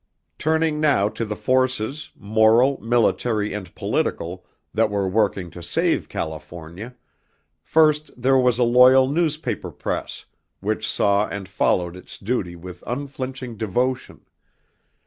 Turning now to the forces, moral, military, and political, that were working to save California first there was a loyal newspaper press, which saw and followed its duty with unflinching devotion.